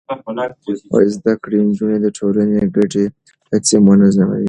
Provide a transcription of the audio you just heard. زده کړې نجونې د ټولنې ګډې هڅې منظموي.